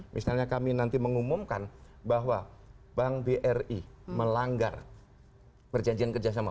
misalnya kami nanti mengumumkan bahwa bank bri melanggar perjanjian kerjasama